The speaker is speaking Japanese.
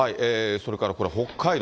それからこれ、北海道。